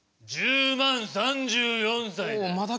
１０万３４歳だ。